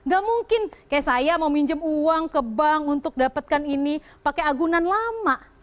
gak mungkin kayak saya mau minjem uang ke bank untuk dapatkan ini pakai agunan lama